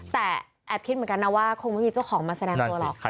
แต่แอบคิดเหมือนกันนะว่าคงไม่มีเจ้าของมาแสดงตัวหรอก